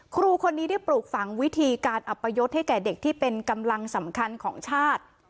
ครูคนนี้ได้ปลูกฝังวิธีการอัปยศให้แก่เด็กที่เป็นกำลังสำคัญของชาติ